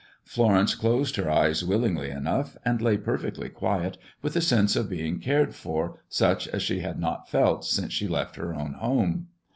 Florence closed her eyes willingly enough, and lay perfectly quiet, with a sense of being cared for, such as she had not felt since she left her own home.